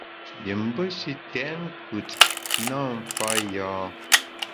Yim be shi tèt nkùt na mfa yâ.